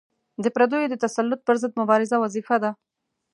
د پردیو د تسلط پر ضد مبارزه وظیفه ده.